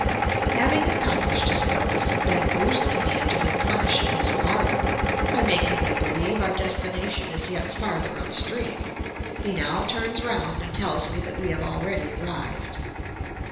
Having accomplished his purpose of bamboozling me into replenishing his larder, by making me believe our destination is yet farther upstream, he now turns round and tells me that we have already arrived.